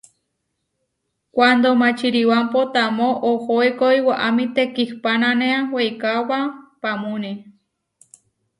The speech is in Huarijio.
Kuando Mačiribámpo tamó ohóekoi, waʼámi tekihpánanea weikáoba paamúni.